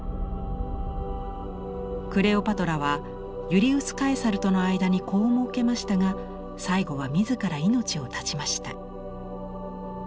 クレオパトラはユリウス・カエサルとの間に子をもうけましたが最後は自ら命を絶ちました。